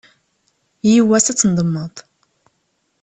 Yiwwas ad tendemmeḍ.